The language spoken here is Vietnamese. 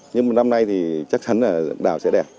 nhưng mà năm nay thì chắc chắn là đào sẽ đẹp